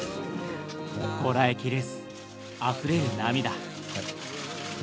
こらえきれずあふれる涙。